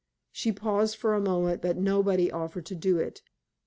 She paused a moment, but nobody offered to do it.